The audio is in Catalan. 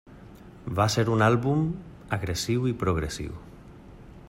Va ser un àlbum agressiu i progressiu.